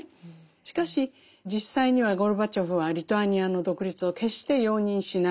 しかし実際にはゴルバチョフはリトアニアの独立を決して容認しない。